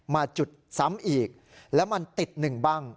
มาจุดซ้ำอีกแล้วมันติดหนึ่งบ้าง